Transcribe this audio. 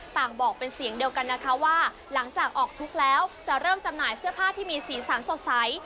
บอกเป็นเสียงเดียวกันนะคะว่าหลังจากออกทุกข์แล้วจะเริ่มจำหน่ายเสื้อผ้าที่มีสีสันสดใส